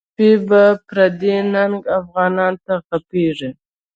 چی خپل سپی په پردی ننګه، افغانانو ته غپیږی